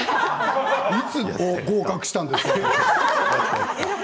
いつ合格したんですか？